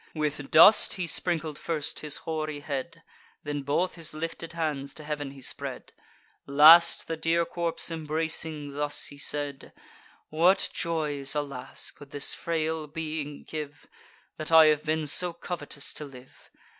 With dust he sprinkled first his hoary head; Then both his lifted hands to heav'n he spread; Last, the dear corpse embracing, thus he said: "What joys, alas! could this frail being give, That I have been so covetous to live?